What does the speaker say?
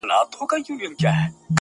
زما سجده دي ستا د هيلو د جنت مخته وي.